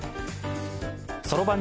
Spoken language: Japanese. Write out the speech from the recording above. そろばん